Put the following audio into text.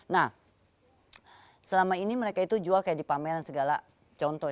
nah selama ini mereka itu jual kayak di pameran segala contoh